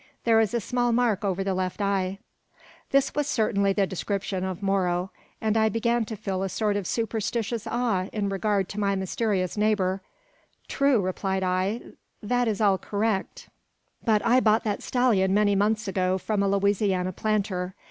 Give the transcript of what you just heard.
There is a small mark over the left eye." This was certainly the description of Moro; and I began to feel a sort of superstitious awe in regard to my mysterious neighbour. "True," replied I; "that is all correct; but I bought that stallion many months ago from a Louisiana planter.